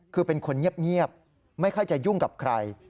คือเป็นคนเงียบไม่ค่อยจะยุ่งกับใคร